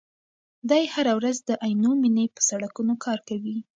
دی هره ورځ د عینومېنې په سړکونو کار کوي.